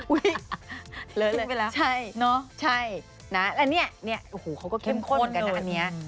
อุ๊ยเลิกไปแล้วใช่เนอะแล้วเนี่ยโอ้โหเขาก็เข้มข้นเหมือนกันนะอันเนี้ย